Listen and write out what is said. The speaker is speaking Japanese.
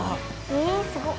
えすごっ。